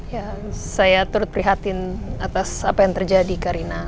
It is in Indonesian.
ya saya turut prihatin atas apa yang terjadi karina